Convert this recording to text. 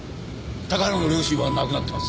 高原の両親は亡くなっています。